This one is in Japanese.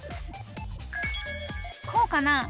こうかな？